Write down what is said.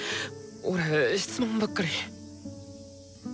俺質問ばっかり！